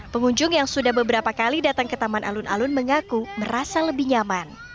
pengunjung yang sudah beberapa kali datang ke taman alun alun mengaku merasa lebih nyaman